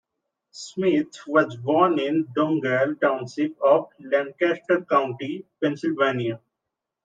Smith was born in Donegal Township of Lancaster County, Pennsylvania.